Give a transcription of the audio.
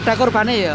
ada korbannya ya